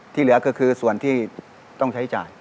เหลือก็คือส่วนที่ต้องใช้จ่าย